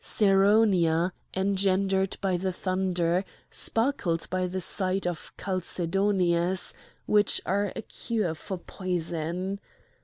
Ceraunia, engendered by the thunder, sparkled by the side of chalcedonies, which are a cure for poison.